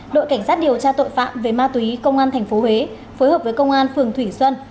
đội cảnh sát điều tra tội phạm về ma túy công an tp huế phối hợp với công an phường thủy xuân